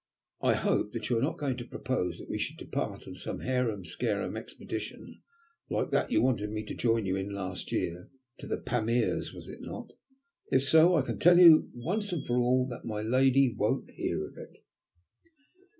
I hope that you are not going to propose that we should depart on some harum scarum expedition like that you wanted me to join you in last year, to the Pamirs, was it not? If so, I can tell you once and for all that my lady won't hear of it."